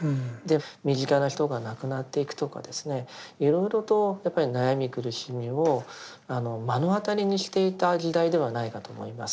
身近な人が亡くなっていくとかですねいろいろとやっぱり悩み苦しみを目の当たりにしていた時代ではないかと思います。